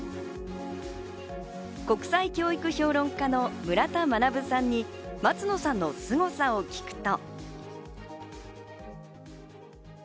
国際教育評論家の村田学さんに松野さんのすごさを聞くと。